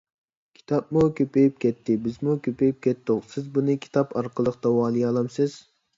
_ كىتابمۇ كۆپىيىپ كەتتى، بىزمۇ كۆپىيىپ كەتتۇق. سىز بۇنى كىتاب ئارقىلىق داۋالىيالامسىز؟